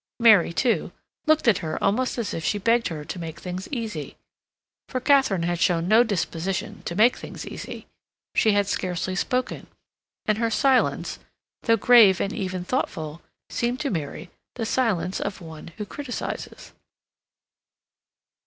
Mary, too, looked at her almost as if she begged her to make things easy. For Katharine had shown no disposition to make things easy. She had scarcely spoken, and her silence, though grave and even thoughtful, seemed to Mary the silence of one who criticizes.